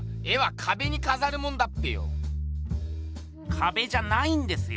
かべじゃないんですよ。